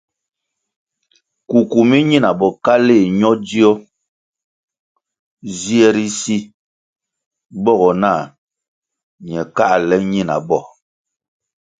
Kuku mi ñina bokaléh ño dzio zie ri si bogo nah ñe káhle ñinabo.